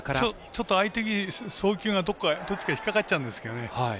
ちょっと相手送球がどっちかに引っ掛かっちゃうんですけどね